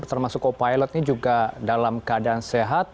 termasuk co pilot ini juga dalam keadaan sehat